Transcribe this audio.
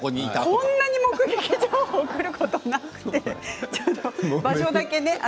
こんなに目撃情報が来ることはなくて場所だけ。